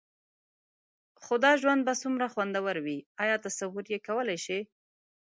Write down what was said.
خو دا ژوند به څومره خوندور وي؟ ایا تصور یې کولای شئ؟